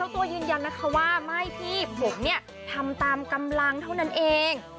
ตัวยืนยันนะคะว่าไม่พี่ผมเนี่ยทำตามกำลังเท่านั้นเอง